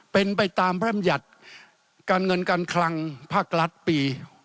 เป็นไปตามพระรำยัติการเงินการคลังภาครัฐปี๖๐